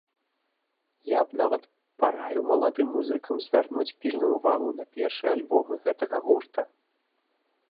Я б нават параіў маладым музыкам звярнуць пільную ўвагу на першыя альбомы гэтага гурта.